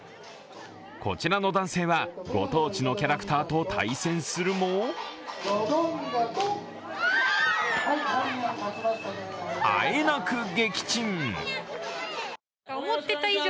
こちらの男性はご当地のキャラクターと対戦するもあえなく撃沈。